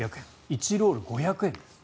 １ロール５００円です。